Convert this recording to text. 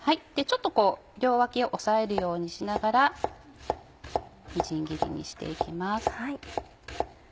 ちょっとこう両脇を押さえるようにしながらみじん切りにして行きます。